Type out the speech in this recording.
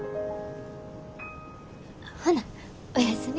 ほなおやすみ。